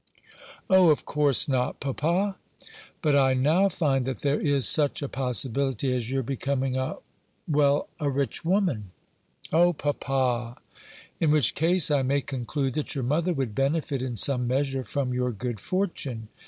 "O, of course not, papa." "But I now find that there is such a possibility as your becoming a well a rich woman." "O papa!" "In which case I may conclude that your mother would benefit in some measure from your good fortune."